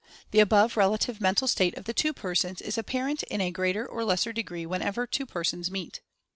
The above relative mental state of the two persons is apparent in a greater or lesser degree whenever two persons meet.